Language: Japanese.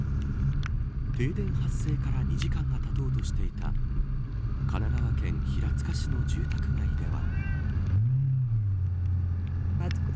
停電発生から２時間がたとうとしていた神奈川県平塚市の住宅街では。